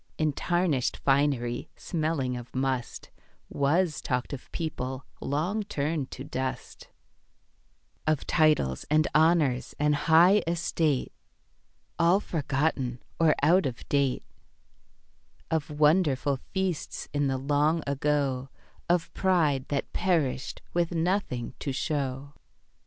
In tarnished finery smelling of must, Was talked of people long turned to dust; Of titles and honours and high estate, All forgotten or out of date; Of wonderful feasts in the long ago, Of pride that perished with nothing to show.